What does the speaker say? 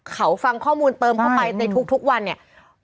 เขาฟังข้อมูลเติมเข้าไปในทุกวันเนี่ย